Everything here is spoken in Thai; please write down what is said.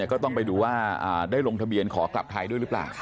ก็ต้องไปดูว่าได้ลงทะเบียนขอกลับไทยด้วยหรือเปล่า